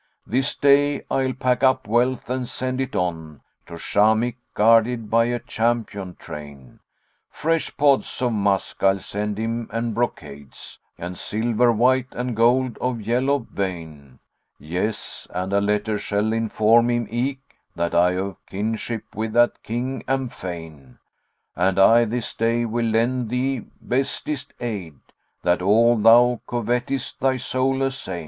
This day I'll pack up wealth, and send it on * To Shαmikh, guarded by a champion train; Fresh pods of musk I'll send him and brocades, * And silver white and gold of yellow vein: Yes, and a letter shall inform him eke * That I of kinship with that King am fain: And I this day will lend thee bestest aid, * That all thou covetest thy soul assain.